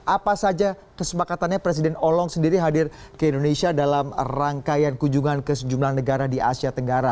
apa saja kesepakatannya presiden holland sendiri hadir ke indonesia dalam rangkaian kunjungan ke sejumlah negara di asia tenggara